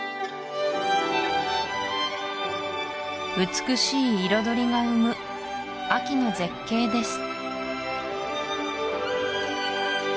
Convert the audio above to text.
美しい彩りが生む秋の絶景です